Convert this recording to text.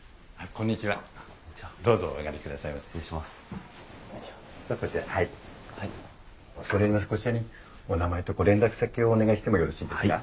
こちらにお名前とご連絡先をお願いしてもよろしいですか？